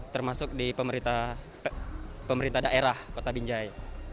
termasuk di pemerintah daerah kota binjai